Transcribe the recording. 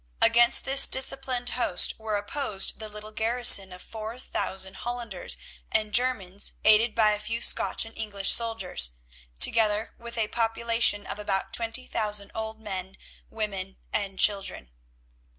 Against this disciplined host were opposed the little garrison of four thousand Hollanders and Germans aided by a few Scotch and English soldiers, together with a population of about twenty thousand old men, women and children.